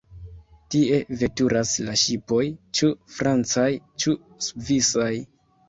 Tie veturas la ŝipoj, ĉu francaj, ĉu svisaj.